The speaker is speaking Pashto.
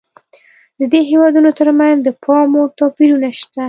د دې هېوادونو ترمنځ د پاموړ توپیرونه شته.